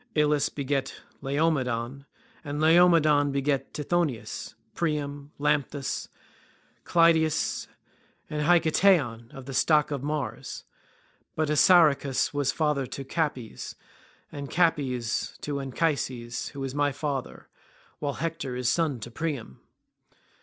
Ilus begat Laomedon, and Laomedon begat Tithonus, Priam, Lampus, Clytius, and Hiketaon of the stock of Mars. But Assaracus was father to Capys, and Capys to Anchises, who was my father, while Hector is son to Priam.